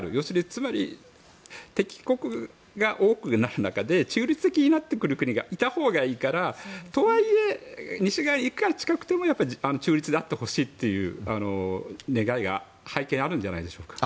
つまり敵国が多くなる中で中立的になってくる国がいたほうがいいからとはいえ、西側にいくら近くても中立であってほしいという願いが背景にあるんじゃないでしょうか。